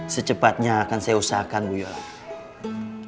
secepatnya akan saya usahakan guyola